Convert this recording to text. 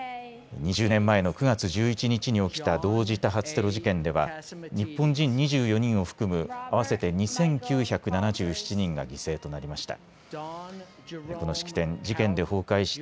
２０年前の９月１１日に起きた同時多発テロ事件では日本人２４人を含む合わせて２９７７人が犠牲となりました。